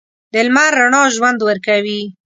د لمر رڼا ژوند ورکوي.